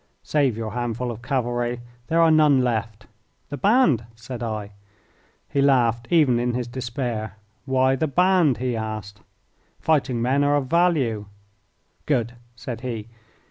"Save your handful of cavalry; there are none left." "The band," said I. He laughed, even in his despair. "Why the band?" he asked. "Fighting men are of value." "Good," said he.